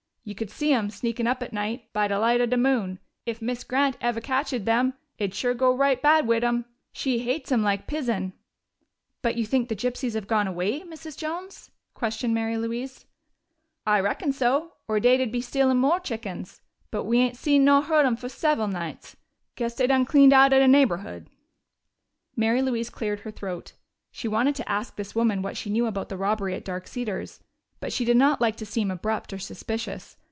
We could see 'em, sneakin' up at night, by de light of de moon. If Miz Grant eve' catched 'em, it'd sure go right bad wid 'em. She hates 'em like pison." "But you think the gypsies have gone away, Mrs. Jones?" questioned Mary Louise. "I reckon so, or dey'd be stealin' mo' chickens. But we ain't seen nor heard 'em fo' several nights. Guess dey done cleaned out of de neighborhood." Mary Louise cleared her throat. She wanted to ask this woman what she knew about the robbery at Dark Cedars, but she did not like to seem abrupt or suspicious.